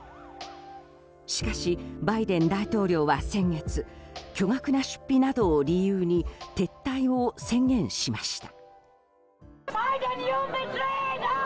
しかしバイデン大統領は先月巨額な出費などを理由に撤退を宣言しました。